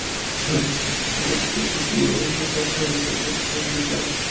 La clasificación de un buques poseía un uso tanto administrativo como militar.